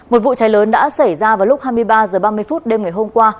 một vụ cháy lớn đã xảy ra vào lúc hai mươi ba h ba mươi phút đêm ngày hôm qua